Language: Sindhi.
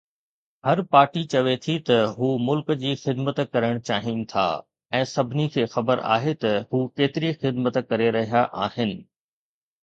هر پارٽي چوي ٿي ته هو ملڪ جي خدمت ڪرڻ چاهين ٿا ۽ سڀني کي خبر آهي ته هو ڪيتري خدمت ڪري رهيا آهن